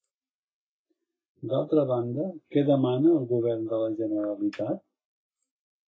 D'altra banda, què demana el govern de la Generalitat?